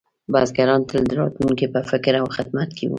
بزګران تل د راتلونکي په فکر او خدمت کې وو.